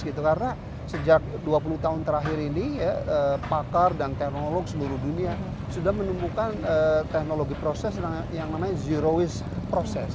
karena sejak dua puluh tahun terakhir ini ya pakar dan teknologi seluruh dunia sudah menemukan teknologi proses yang namanya zero waste process